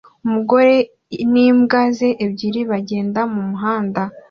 Umugore n'imbwa ze ebyiri bagenda mumuhanda